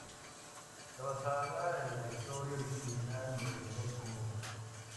Está basada en la historia original de Rodolfo Gómez.